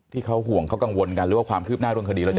ที่เขาห่วงเขากังวลกันหรือว่าความคืบหน้าเรื่องคดีเราจะ